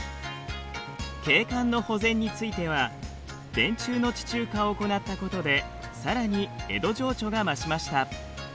景観の保全については電柱の地中化を行ったことでさらに江戸情緒が増しました。